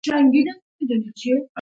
پسه د افغانستان د اجتماعي جوړښت برخه ده.